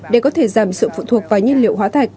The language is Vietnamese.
để có thể giảm sự phụ thuộc vào nhiên liệu hóa thạch